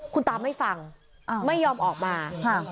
คุณตาไม่ฟังไม่ยอมออกมา